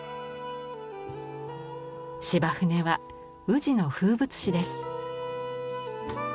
柴舟は宇治の風物詩です。